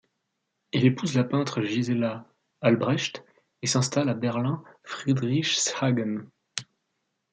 Il épouse la peintre Gisela Albrecht et s'installe à Berlin-Friedrichshagen.